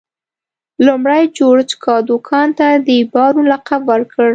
لومړي جورج کادوګان ته د بارون لقب ورکړ.